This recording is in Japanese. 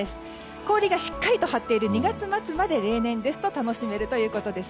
氷がしっかりと張っている２月末まで例年ですと楽しめるということです。